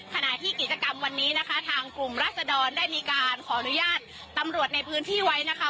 ขณะที่กิจกรรมวันนี้นะคะทางกลุ่มรัศดรได้มีการขออนุญาตตำรวจในพื้นที่ไว้นะคะ